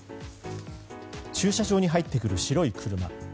駐車場に入ってくる白い車。